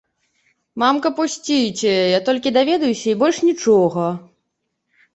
Мамка, пусціце, я толькі даведаюся, і больш нічога!